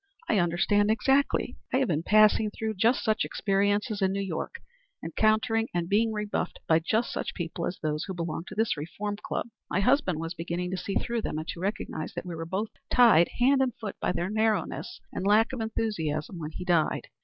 I understand exactly. I have been passing through just such experiences in New York encountering and being rebuffed by just such people as those who belong to this Reform Club. My husband was beginning to see through them and to recognize that we were both tied hand and foot by their narrowness and lack of enthusiasm when he died.